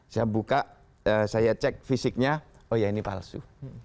saya buka saya cek fisiknya oh ya ini palsu